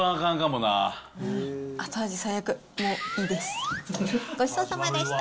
もういいです。